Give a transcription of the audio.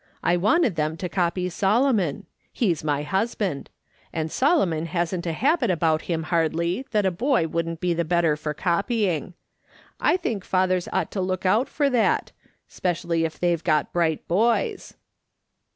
I wanted them to copy Solomon ; he's my husband : and Solomon hasn't a habit about him hardly, that a boy wouldn't be the better for copying. I think fathers ought to look out for tliat ; specially if they've got bright boys."